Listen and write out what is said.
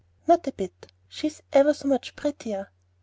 "Not a bit; she's ever so much prettier."